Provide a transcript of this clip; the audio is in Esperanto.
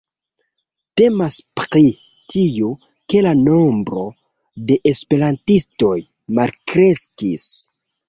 Temas pri tio, ke la nombro de esperantistoj malkreskis.